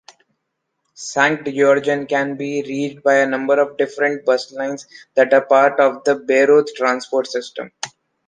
Sankt Georgen can be reached by a number of different bus lines that are part of the Bayreuth transport system.